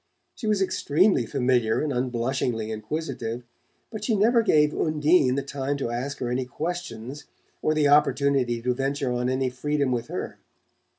She was extremely familiar and unblushingly inquisitive, but she never gave Undine the time to ask her any questions or the opportunity to venture on any freedom with her.